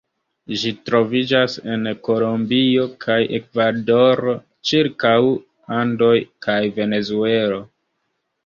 Ĝi troviĝas en Kolombio kaj Ekvadoro ĉirkaŭ Andoj kaj Venezuelo.